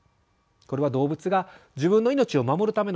これは動物が自分の命を守るためのメカニズムです。